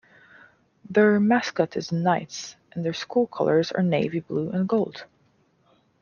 Their mascot is the Knights and their school colors are navy blue and gold.